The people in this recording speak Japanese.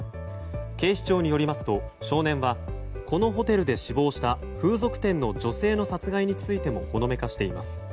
警視庁によりますと少年はこのホテルで死亡した風俗店の女性の殺害についてもほのめかしています。